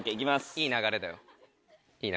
いい流れだよ。